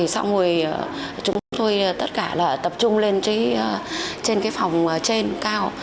xong rồi chúng tôi tất cả là tập trung lên trên cái phòng trên cao